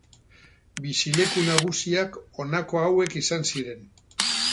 Bizileku nagusiak honako hauek izan ziren.